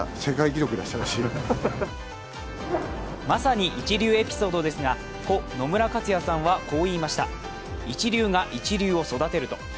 まさに一流エピソードですが故・野村克也さんはこう言いました一流が一流を育てると。